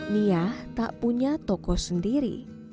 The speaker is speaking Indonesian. nia tak punya toko sendiri